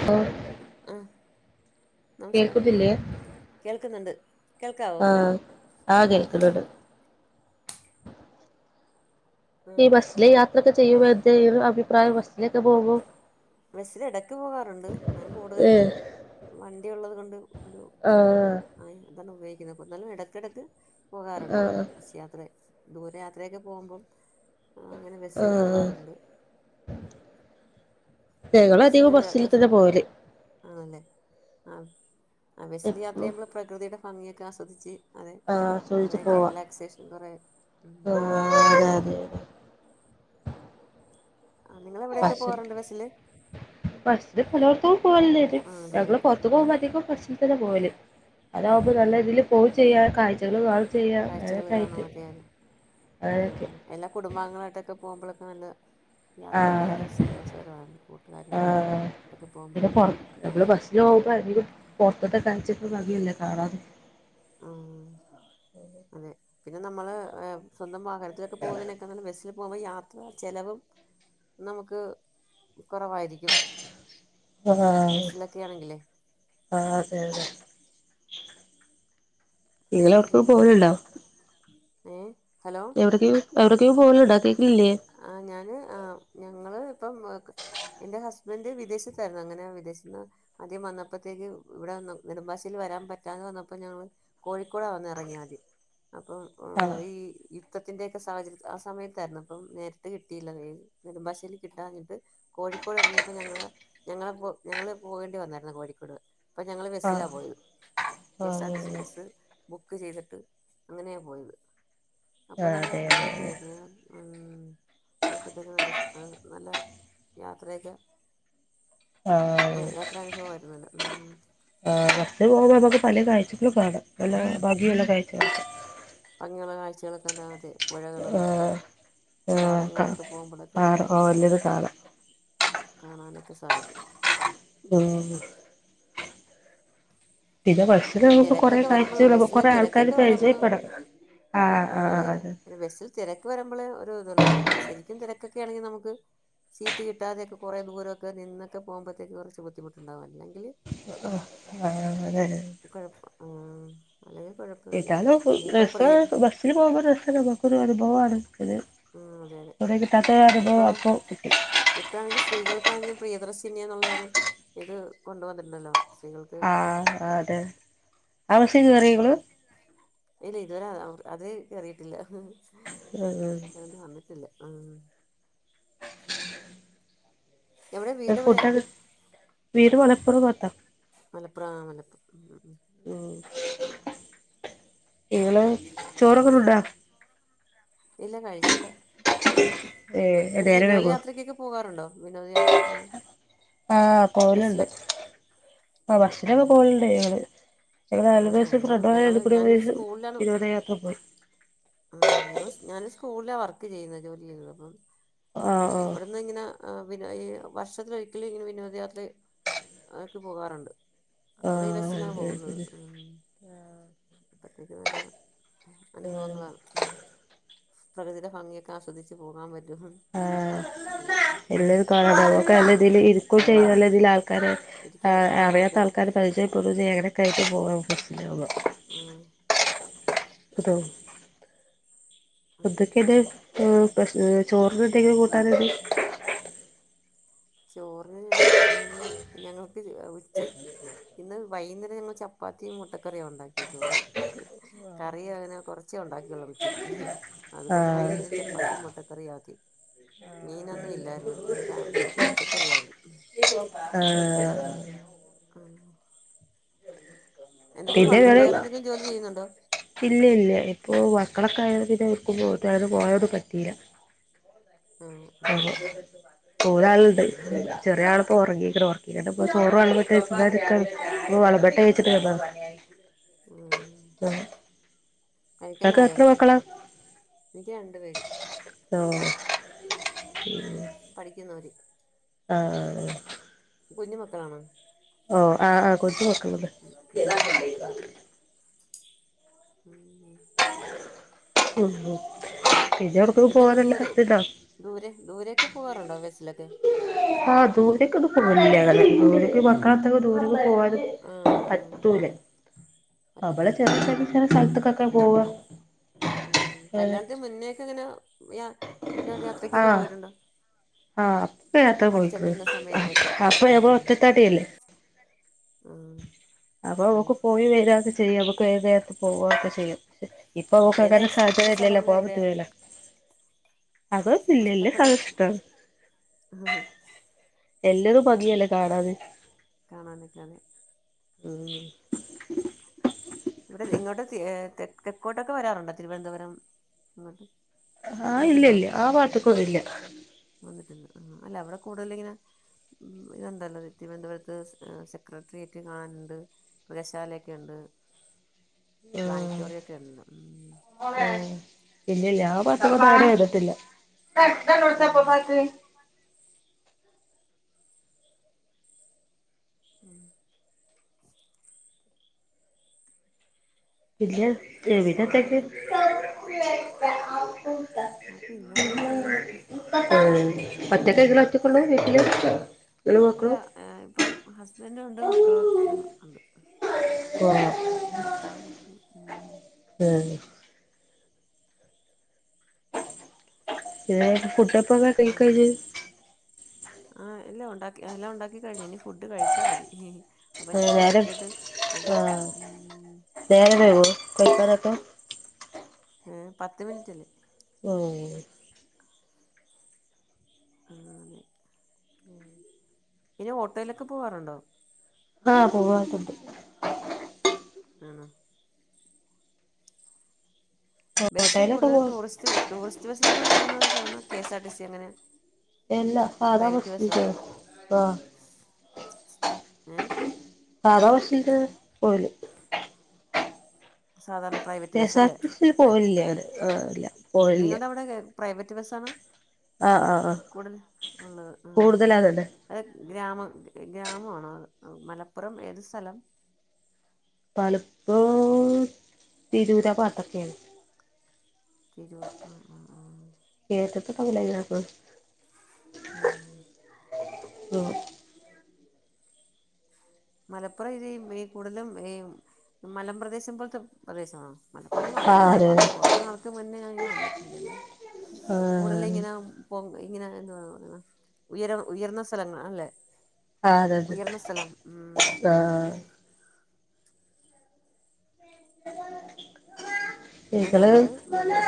[unintelligible] ആഹ് നമസ് ക്കാരം കേൾക്കുന്നില്ലേ കേൾക്കുന്നുണ്ട്. കേൾക്കാവോ ആഹ് ആ കേൾക്കുന്നുണ്ട്. ആ ഈ ബസ്സില് യാത്രയൊക്കെ ചെയ്യുമ്പോ എന്തെ ഈ ഒരു അഭിപ്രായം ബസ്സിലൊക്കെ പോകുമ്പൊ? ബസ്സിൽ ഇടക്ക് പോകാറുണ്ട് ഞാൻ കൂടുതലും ഏഹ് വണ്ടിള്ളത് കൊണ്ട് ഒരു ആഹ് ആ അതാണ് ഉപയോഗിക്കുന്നത് അപ്പ പെട്ടെന്ന് ഇടയ്ക്കിടയ്ക്ക് പോകാറുണ്ട് ആഹ് ബസ് യാത്രയെ ദൂരയാത്രയൊക്കെ പോകുമ്പോ അങ്ങനെ ബസ്സിൽ ആഹ് പോകാറുണ്ട്. ഞങ്ങള് മെസ് അധികം ലെ ബസ്സിൽ വെസ് തന്നെ പോവല് ആണല്ലേ ആഹ്. ആ ബസിൽ യാത്ര എപ്പളും ചെയുമ്പോൾ പ്രകൃതിയുടെ ഭംഗിയൊക്കെ ആസ്വദിച്ച് അതെ ആസ്വദിച്ച് കുറയൊക്കെ പോവാ റിലാക്സേഷൻ കുറേ [unintelligible] ആ നിങ്ങളെവിടെക്കെ പോവാറുണ്ട് ബസില്? ബസ്ല് പുലോട്ത്തും പോവല് ണ്ടേയ്ന് ആ ഞങ്ങള് ദൂരെയൊക്കെ പുറത്ത്ക്ക്‌ ആ പോവുമ്പോ അധികും ബസ്സിൽ ത്തന്നെ പോകല്. ആ അതാകുമ്പോ നല്ല ആ തില് പോവും ചെയ്യ കാഴ്ചകൾ കാണും ചെയ്യ കാഴ്ചകൾ അങ്ങനൊക്കെ കാണാൻ ആയിറ്റ്. മതിയായത് ആ [unintelligible] എല്ലാ കുടുംബാങ്ങളട്ടൊക്കെ പോകുമ്പോളൊക്കെ നല്ല യാത്രയൊക്കെ ആഹ് നല്ല സന്തോഷകരമാണ് ആഹ് കൂട്ടുകാരുക്കെ പിന്നെ പോകുമ്പോഴും പൊറ നമ്മള് ബസ്സിൽ പോകുമ്പോ അതിഗവും പുറത്തത്തെ കാഴ്ചക്ക്‌ ബങിയല്ലേ കാണാ ആ അതെ പിന്നെ നമ്മള് സ്വന്തം വാഹനത്തിലൊക്കെ പോകുന്നതിന [unintelligible] ബസ്സിൽ പോകുമ്പോ യാത്ര ചെലവും നമുക്ക് കുറവായിരിക്കും. ആഹ് ബസ്സിലൊക്കെ ആണെങ്കിലേ ആഹ് അതെ അതെ ഇങ്ങെ അവിടക് പോകലുണ്ടോ? എഹ് ഹലോ എവിടൊക്കെലും എവിടെക്കേലും പോവല്ണ്ടോ കേക്ക്‌ണ്ല്യാ? ആഹ് ഞാന് ആ ഞങ്ങള് ഇപ്പം എന്റെ ഹസ്ബൻഡറ് വിദേശത്തായിരുന്നു അങ്ങനെ വിദേശ ന്ന് ആദ്യം വന്നപ്പോത്തേക്ക് ഇവിടെ നെടുമ്പാശേരി വരാൻ പറ്റാതെ വന്നപ്പോ ഞങ്ങള് കോഴിക്കോടാവന്ന് ഇറങ്ങിയാ ആദ്യം അപ്പംഓ ആഹ് ഈ യുദ്ധത്തിന്റൊക്കെ സാഹചര്യ ആ സമയത്തായിരുന്നു അപ്പം നേരട്ട് കിട്ടിയില്ല നെടുമ്പാശ്ശേരി കിട്ടാഞ്ഞിട്ട് കോഴിക്കോട് ഇറങ്ങിയപ്പോ ഞങ്ങള് ഞങ്ങള് പോ ഞങ്ങള് പോകേണ്ടി വന്നായിരുന്നു കോഴിക്കോട്. അപ്പം ഞങ്ങള് ബസ്സിലാ ആഹ് പോയത് കെ എസ് ആർ ആഹ് ടി സി ആഹ് ബസ്സ് ബുക്ക് ചെയ്തിട്ട് അങ്ങനെയ പോയത് അപ്പൊ ആഹ് നല്ല അതെ അതെ ഇത് അതെ [unintelligible] യാത്രയൊക്കെ ആഹ് ആ യാത്ര അനുഭവംമായിരുന്നത് ഉം ആ അതെ ബസിൽ പോകുമ്പോ നമുക്ക് പല കാഴ്ചകളും കാണാം നല്ല ഭംഗിയുള്ള കാഴ്ചകൾ. ഭംഗിയുള്ള കാഴ്ചകളൊക്കെ ഉണ്ടാ അതെ. പുഴകളും ആഹ് ആഹ് പാടം കാ അങ്ങോട്ടൊക്കെ പോകുപോളൊക്കെ കാണാം ഉം ഓല്ലത് കാണാം കാണാനൊക്കെ സാധിക്കും. ആഹ് [unintelligible] കൊറേ തിരക്കൊക്കെ വരുമ്പോള കാഴ്ചകള് ബസ്സില കൊറേ ആൾക്കാര് തിരക്കൊക്കെ വരുമ്പോൾ പരിചയപ്പെടാം ആഹ് ആ അതെതെ ആഹ് അതെ അ ബസിൽ തിരക്ക് വരുമ്പോൾ ഒരു ഇതുള്ളൂ ഇ ശരിക്കും തിരക്കൊക്കെ ആണെങ്കിൽ നമുക്ക് സീറ്റ് കിട്ടാതെയൊക്കെ കൊറേ ദൂരമൊക്കെ നിന്നക്കെ പോകുമ്പഴത്തേക്ക് കുറച്ച് ബുദ്ധിമുട്ടുണ്ടാവും അല്ലെങ്കിൽ [inaudible] കുഴപ്പം ആ അല്ലെങ്കി കുഴപ്പ ഏതാലും രസം ബസ്സില് പോകുമ്പോ രസം നമുക്കൊരു അനുഭവമാണ്. ഉം അതേനെ കൂറെകിട്ടാത്ത അതിപ്പോ അപ്പോ കിട്ടി എപ്പോഴാണെങ്കി സ്ത്രീകൾക്കാണെങ്കിലും പ്രിയദർശിന്യ ന്നുള്ള ഒരു ഇത് കൊണ്ട വന്നിട്ടുണ്ടല്ലോ? ആഹ് അതെ ആ ബസ്സി ഉ കേറിയോ ഇങ്ങള് ഇല്ല ഇതുവര അത് കേറിയിട്ടില്ല ആഹ്ഹ് ഉം ഉം കറണ്ട് വന്നിട്ടില്ല ഉ എവിടെ വീട് എവിടെയാ ഫുഡൊ വീട് മലപ്പുറം പത്താ മലപ്പുറം ആ മലപ്പു ഉ ഉ ഉ ഇങ്ങള് ചോറൊക്കെ ഉണ്ടാ ഇല്ല കഴിച്ചില്ല ! ! ! ! ! ! ! ! ! ! ! ! ! ! ! പിന്നെ വിനോദയാത്രക്കൊക്കെ പോകാറുണ്ടോ വിനോദയാത്ര ങനെ ആഹ് പോവലുണ്ട് ആ ബസ്സിലൊക്കെ പോവലുണ്ട് ങ്ങള് ഞങ്ങള് ആ നാല് ഞങ്ങള് ഞങ്ങള് വയസ് ഞാനൊരു [unintelligible] വിനൊദയാത്ര പോയി ആഹ് ഞങ്ങ ഞാൻ സ്കൂളില വർക്ക് ചെയ്യുന്നത് ജോലി ചെയ്യുന്നത് അപ്പം ആഹ് അവിടെ ഇന്ന് ഇങ്ങനെ ആ പിന്ന ഈ വർഷത്തിലൊരിക്കലും ഇങ്ങനെ വിനോദയാത്ര അതൊക്കെ പോകാറുണ്ട് അപ്പൾ ഈ ബസ്സിലാ ആഹ് പോകുന്നത് ഉം അപ്പത്തേക്ക് നല്ല ആഹ് അനുഭവങ്ങളാണ് പലതരം ഭംഗിയൊക്കെ ആസ്വദിച്ച് പോകാൻ പറ്റും അഹ് അതെ നല്ലരു ക അതൊക്കെ നല്ല ഇതിൽ ഇരിക്കു ചെയ്യും നല്ലതിൽ ആൾക്കാരെ ഇരിക്കാൻ ആ അറിയാത്ത അതെ ആൾക്കാർ പരിജയ പെടുംചെയ്യ അങ്ങനെ കായിട്ട് പോകൻ ബസിൻ ഉം [unintelligible] അതെ മക്കക് ഇത് പ്രേശ്ന ചോറിന്ന് എന്തെങ്കിലും കൂട്ടാനു ചോറിന് ഇന്ന് ഞങ്ങക്ക് ഉച്ചയ് ഇന്ന് വൈകുന്നേരം ഞങ്ങള് ചപ്പാത്തിയും മുട്ടക്കറിയാ ഉണ്ടാക്കിയ ചോറ് കറിയ അങ്ങനെ കൊറച്ചേ ഉണ്ടാക്കിയുള്ളൂ ഉച്ചയ്ക്ക് അതുകൊണ്ട് ആഹ് വൈന്നരം ചപ്പാത്തിയും മുട്ടക്കറിയും ആക്കി മീനൊന്നും ഇല്ലാരുന്നു ഇ ഉച്ചിക്ക് ഈ പച്ചക്കറിയായ് ആഹ് ആഹ് എന്തെങ്കിലും വർക്ക് വേറെ എന്തെിലും ജോലി ചെയ്യുന്നുണ്ടോ ഇല്ല്യ ഇല്ല്യഇപ്പൊ മക്കളൊക്കെ ആയ പിന്നെ അവക്കുമ്പോന് പോയനൊന്നു പറ്റില്ല ഉം ഉം [unintelligible] ഒരാളുണ്ട് ചെറിയ ആളപ്പൊ ഒറങ്ങി ഉറക്കികാണ്ട്പ്പ ചോറ് വളബറ്റ ഓ വളബെട്ട വെച്ചിട്ട് വന്നതാ ഉ നിങ്ങൾക്ക് കഴിക്കാനായോ എത്ര മക്കളാ എനിക്ക് രണ്ടു പേര് ഓ ഉ പഠിക്കുന്നൊര് ആഹ് ആ കുഞ്ഞു മക്കളാണൊ.. ഓ ആ ഹ്ആ കൊച്ചു മക്കളത് ഉം, കുഞ്ഞു മക്കളാ ഉം ഉം എവിടക്കും പിന്നെ അങ്ങ് പോവാനല്ല ദൂരെ ഇതാ ദൂരെ ദൂരൊക്കെ പോവാറുണ്ടോ ബസ്സിലൊക്കെ? ആഹ് ദൂരൊക്കൊന്നും പോവലില്ല അങ്ങനെ ദൂരെക്ക് മക്കളെയ് റ്റൊക്കെ ദൂരക്ക്‌ പോവാന് ആഹ് പറ്റൂല്ലേ ആഹ് അവടെ പറ്റത്തില്ല ചെറ ച ആഹ് ചെറ സ്ഥലത്തക്കൊക്കെ പോവ ഉം കല്യാണത്തിന് മുന്നേക്കെ എങ്ങനെ വിനോദയാത്രക്കൊക്കെ ആഹ് പോയിട്ടുണ്ടോ ആഹ് അപ്പ യാത്ര പോയിക്ക്ണ് പഠിച്ചോണ്ടിരുന്ന സമയത്തൊക്കെ അപ്പൊ ആ ഞമ്മള് ഒറ്റത്തടിയല്ലേ ആഹ് അപ്പൊ അതെ അവക്ക് പോയി വരാക്കെ ചെയ്യ അവക്ക് ഏത് നേരത്ത് പോവാക്കെ ചെയ്യാം ഇപ്പൊ ഉം, അവക്ക് ഏതാ അതിനുള്ള ഇഷ്ടപ്പെട്ട സാഹചര്യല്ലല്ലോ സ്ഥലങ്ങൾ പോവാൻ എവിടെയാ പറ്റൂല്ലലോ അത് പിന്നെല് ഇഷ്ടപ്പെട്ട സദഷ്ട എല്ലതും ഉം, ഭംഗിയല്ലേ കാണാന്. കാണാനൊക്കെ അതെ. ഉം ഇവിടെ ഇങ്ങോട്ട് തെ തെക്ക് തെക്കോട്ടൊക്കെ വരാറുണ്ടോ? തിരുവനന്തപുരം ഇങ്ങോട്ട് ആഹ് ഇല്ല വന്നിട്ടുണ്ടോ ഇല്ല്യ ആ ഭാഗത്തേക്ക് ഒന്നും ഇല്ല്യ വന്നിട്ടില്ല ആ അല്ല അവിടെ കൂടുതലിങ്ങനെ ഉം ഇത്ണ്ടല്ലോ തിരുവനന്തപുരത്ത് സെക്രട്ടറിയേറ്റ് കാണാനുണ്ട് മൃഗശാലൊക്കെ ഉണ്ട് പ്ലാനിറ്റോറിയം ഒക്കെ ഉണ്ട് ഉം.. ഉം ഇല്ലില്ല ആ ഭാഗത്തോട്ടു അങ്ങനെ വരത്തില്ല ആഹ് ഉം... ഇല്ല പിന്നെ ഇവിടെത്തേക് ആ പിന്നെ അങ്ങനെ പോകുന്നു ആ പച്ചക്കറികള് മാത്രം വയ്ക്കുള്ളു വീട്ടില് നിങ്ങളും മക്കളും അപ്പം ഹസ്ബൻഡും ഉണ്ട് മക്കളും ആ ഉണ്ട് ആഹ് ഭർത്താവും മക്കളും ഉം.. ഉം ഫുഡോക്കെ ആഹ് ആ ഇല്ലാ ഉണ്ടാക്കി എല്ലാം ഉണ്ടാക്കിക്കഴിഞ്ഞു ഇനി ഫുഡ് കഴിച്ചാ മതി അപ്പൊ ഞാൻ നേരം നോക്കിയിട്ട് എന്തെങ്കിലും ഉം നേരവോ കഴിക്കാനൊക്കെ? ഏ പത്ത് മിനിറ്റില് ഓ... ആ അങ്ങനെ ഉം ഇനി ഓട്ടോയിലൊക്കെ പോവാറുണ്ടോ? ആഹ് പോവറെക്കെയുണ്ട് ആണോ? ബസ്സ് ഓട്ടോയിലൊക്കെ കൂടുതലും പോവും ടൂറിസ്റ്റ് ടൂറിസ്റ്റ് ബസ്സിലാണോ പോകുന്നത് സാധാരണ K S R T C അങ്ങനെ? ഇല്ല സാധാ പ്രൈവറ്റ് ബസ്സോ ബസിലാ പോണേ ഏഹ്? സാധാ ബസില് പോവല് സാധാരണ private K bus S R അല്ലെ? ടി സി പോവലില്ല അങ്ങനെ ആ ഇല്ല പോവലില്ല നിങ്ങളുടെ അവിടെക്കെ പ്രൈവറ്റ് ബസ് ആണ് ആഹ് ആഹ് ആഹ് കൂടുതലും ഉള്ളത് ആ കൂടുതലതന്നെ അത് ഗ്രാമം ഗ്രാമമാണോ മലപ്പുറം ഏത് സ്ഥലം? മലപ്പുറം തിരൂര് ആ ഭാഗത്തൊക്കെയാണ് തിരൂർ ആഹ് കേട്ടിട്ട് ആ ആ ആ ഉം... മലപ്പുറം ഏരിയ ഈ കൂടുതലും ഈ മലപ്രദേശം പോലത്തെ പ്രദേശമാണോ മലപ്പുറം ഞാൻ വന്നിട്ടുണ്ട് ആര് പണ്ട് കുറേ നാൾക്ക് മുന്നെ ഇങ്ങനെ വന്നിട്ടുണ്ടല്ലോ കൂടുതല് ആഹ് ഇങ്ങനെ അപ്പൊ ഇങ്ങനെ എന്ത് ഉയര ഉയർന്ന സ്ഥലങ്ങളാണല്ലേ? ആഹ അത അതെ ഉം [inaudible] ആ ഞങ്ങള് ഞ ഞ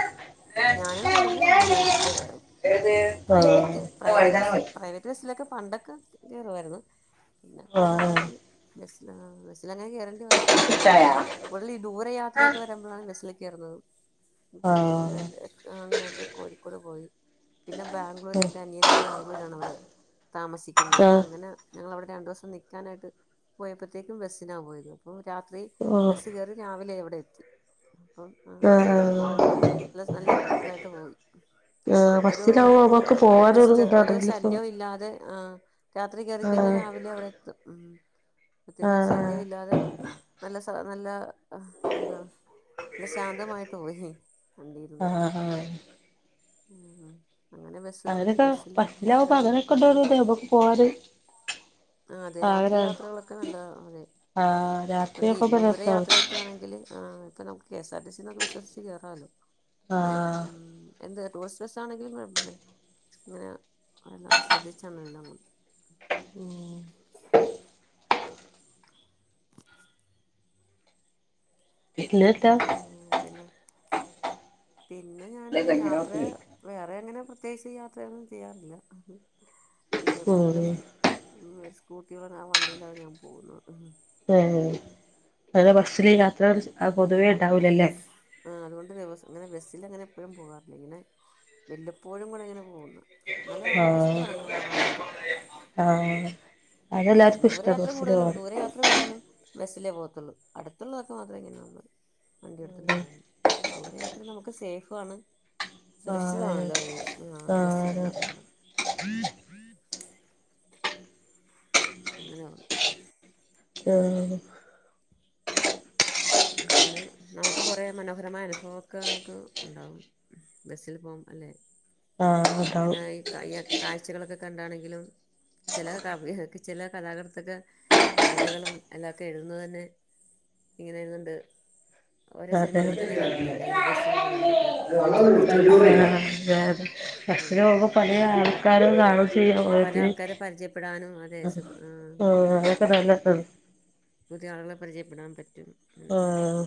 ഞാനും കൂടുതലും പിന്നെ ഏത് ആഹ് പ്രൈവറ്റ് ആഹ് ആഹ് പ്രൈവറ്റ് പ്രൈവറ്റ് ബസിലൊക്കെ പണ്ടൊക്കെ കയറുവായിരുന്നു പിന്നെ കുറെേ നാളായിട്ട് ബസില് ആ ബസില് അങ്ങനെ കേയറേണ്ടി വന്നിട്ടില്ല പിന്നെ ആഹ് കൂടുൽ ഈ ദൂര യാത്രയൊക്കെ വരുമ്പഴാണ് ബസ്സില് തീർന്നതും ആ അങ്ങനെ ആ അങ്ങനൊയിട്ട് കോഴിക്കോട് പോയി പിന്നെ ബാംഗ്ലൂര് എൻ്റെ അനിയത്തി ബാംഗ്ലൂർ ആണ് അവിടെ താമസിക്കുന്നത് അപ്പൊ ആഹ് അങ്ങനെ ഞങ്ങള് അവിടെ രണ്ടു ദിവസം നിക്കാനായിട്ട് പോയപ്പത്തേക്കും ബസ്സിനാ പോയത് അപ്പൊ രാത്രി ആഹ് ബസ്സ് കയറി രാവിലെ അവിടെ എത്തി അപ്പം ആ ആഹ് കിടന്നുറങ്ങി നല്ല നല്ല ഇതായിട്ട് പോയി ആഹ് ഒരു ബസ്സിലാവുമ്പോ നമ്മക്ക് ഒരു പോവാനൊരു ഡിസ് ഇതാണ് ഒരു ശല്യവും ഇല്ലാതെ ആ രാത്രി കേയറിക്കഴിഞ്ഞാൽ ആഹ് രാവിലെ അവിടെ എത്തും ഉം പ്രത്യേക ഒരു ആഹ് ശല്യ ഇില്ലാതെ നല്ല സ നല്ല എന്താണ് ശാന്തമായിട്ട് പോയി വണ്ടിരുന്ന് ആഹ് ആഹ് ഉ അങ്ങനെ [unintelligible] അങ്ങനൊക്കെ ബസ്സില് യാത്ര ബസ്സിലാവുമ്പോ അങ്ങനൊക്കെ കൊണ്ടക്കുന്നില്ല ഉണ്ടോന്ന് നമുക്ക് പോവാന് ആ അതെ രാത്രി ആഗ്രഹാണ് യാത്രകളൊക്കെ നല്ല ആഹ് അതെ രാത്രിയൊക്കെ നല്ല രസാണ് ദൂരയാത്രയക്കെ ഒക്കെ ആണെങ്കിൽ ഇപ്പം നമുക്ക് കെ എസ് ആർ ടി സിന്നൊക്കെ വിശ്വസിച്ച് കയറാമല്ലോ നല്ല ആഹ് എന്ത് ടൂറിസ്റ്റ് ബസ് ആണെങ്കിലും ഇങ്ങനെ എല്ലാം ശ്രദ്ധിച്ചാണ് എല്ല ഉം ഇന്നിട്ട ഉ പിന്നെ പിന്നെ ഞാൻ യാത്ര വേറെ എങ്ങനെ പ്രത്യേകിച്ച് യാത്രയൊന്നും ചെയ്യാറില്ല പിന്നെ ഉം കൂടുതലും ഉം ഒരു സ്കൂട്ടിയടെ ആ വണ്ടിയിലാണ് ഞാൻ പോകുന്നത് [unintelligible] ബസ്സിൽ യാത്ര പൊതുവേ ഉണ്ടാവൂലല്ലേ ആ അതുകൊണ്ട്ം അങ്ങനെ ബസ്സൽ അങ്ങനെ എപ്പോഴും പോകാറില്ല ഇങ്ങനെ വല്ലപ്പോഴും കൂടെ ഇങ്ങനെ പോകുന്നു എന്നല്ല എനിക്ക ആഹ് ഇഷ്ടമാണ്ങ്ങനെ പോവാനൊക്കെ കടുതല് ആഹ് അതെല്ലാർക്കും ഇഷ്ടാണ് ദൂരയാത്ര ബസ്സില് കൂടുതലും പോവാന് ദൂരയാത്ര കൂടുതലും ബസ്സിലേ പോകത്തുള്ളു അടുത്തുള്ളതൊക്കെ മാത്രമേ ഇങ്ങനെ വണ്ടിയെടുത്തിണ്ട് പോകും ദൂരയാത്ര നമുക്ക് സേഫാണ് ആഹ് സുരക്ഷിതമാണല്ലോ ആ ആഹ് ബസ്സിലന്ന് പറയുമ്പം അങ്ങനെയ [unintelligible] പിന്നെ നമുക്ക് കുറേ മനോഹരമായ അനുഭവൊക്കെ നമുക്ക് ഉണ്ടാവും ബസ്സിൽ പോംബം അല്ലെ ആഹ ഇങ്ങനെ ഈഈ കാഴ്ച്ചക്കളൊക്കെ കണ്ടാണെങ്കിലും ചില കവി ചില കഥാകൃത്തക്കെ കവിതകളും എല്ലാംക്കെ എഴുതുന്ന തന്നെ ഇങ്ങനെ ഇരുന്നുണ്ട് ഓരോ അതെ സിനിമകൾ തന്നെ കണ്ടിട്ടില്ലേ ഇങ്ങനെ ബസ്സില ഇരുന്നുണ്ടൊക്കെ അതെ [unintelligible] ആൾക്കാരും കാണും ചെയ്യും പല ഓരോരുത്തര് ആൾക്കാരെ പരിചയപ്പെടാനും അതെ സുഖ ആ ആഹ് പറ്റും അതൊക്കെ നല്ലതാണ് പുതിയ ആളുകളെ പരിചയപ്പെടാൻ പറ്റും ആഹ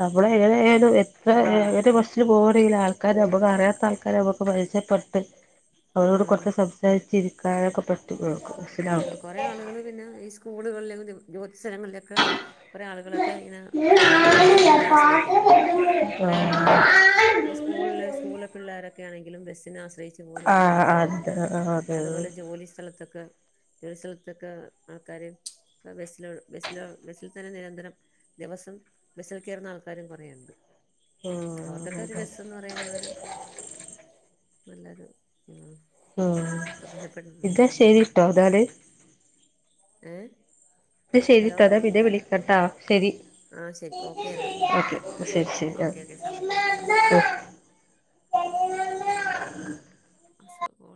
നമ്മള് ഏത് ഏത് എത്ര ഏത് ബസ്സിൽ പോകറല്ല ആൾക്കാരെ നമ്മുക്ക അറിയാത്ത ആൾക്കാരെ നമ്മുക്ക് പരിച്ചപ്പെ അവരോട് ആ കൊറച്ച് സംസാരിച്ചിരിക്കാനൊക്കെ പറ്റുമ ആ കൊറെേ ആളുകള് പിന്നെ ഈ സ്കൂളുകളില ജോലി സ്ഥലങ്ങളിലക്കെ കൊറെ ആളുകളൊക്കെ ഇങ്ങനെ ബസിനേണ് ആശ്രയിക്കുന്ന് അല്ലേ [inaudible] ഇത് സ്കൂളില്, സ്കൂളിലെ പിള്ളരൊക്കെണെങ്കിലും ബസ്സിനെ ആശ്രയിച്ച് [unintelligible] കൊറെേ ആഹ് ആഹ് ആൾക്കാരുണ്ട് അതെ അതെ അതുപോലെ ജോലി സ്ഥലത്തൊക്കെ ചില സ്ഥലത്തൊക്കെ ആൾക്കാര ബസിലോ ബസില ബസിൽ തന്നെ നിരന്തരം ദിവസം ബസ്സിൽ കയറുന്ന ആൾക്കാരും കുറയുണ്ട് അവർക്കൊക്കെ ഒരു ആഹ് വെസ്ന്ന് പറയുന്നത് നല്ലൊരു ഉ ഉ ഇതാ ശരിട്ടോ [unintelligible] ഏ എന്നാ ഹലോ ശരിട്ടോ [unintelligible] ശരി ആ ശരി ഓക്കെ എന്നാ ഓക്കെ ശരി ഓക്കെ ഓക്കെ സമയം ശരി അസോവോൾ